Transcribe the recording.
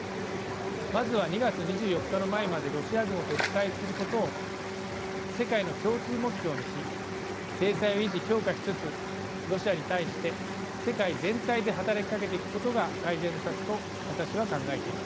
まずは２月２４日の前までロシア軍を撤退することを世界の共通目標にし制裁を維持強化しつつロシアに対して世界全体で働きかけていくことが最善の策と私は考えています。